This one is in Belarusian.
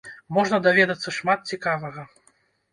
Можна даведацца шмат цікавага.